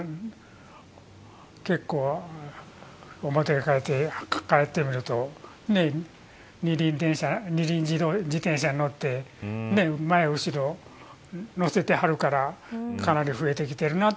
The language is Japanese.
結構、表に帰ってみると二輪自転車に乗って前後ろ乗せてはるからかなり増えてきてるなと。